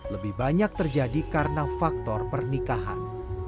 lebih banyak terjadi karena faktor pernikahan